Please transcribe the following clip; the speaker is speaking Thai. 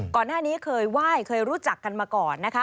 ก่อนหน้านี้เคยไหว้เคยรู้จักกันมาก่อนนะคะ